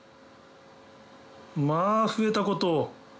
まぁ増えたこと。